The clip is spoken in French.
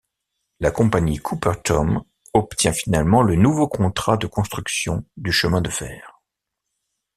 La Compagnie Cooper-Thom obtient finalement le nouveau contrat de construction du chemin de fer.